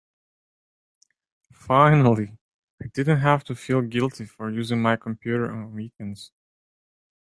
Finally I didn't have to feel guilty for using my computer on weekends.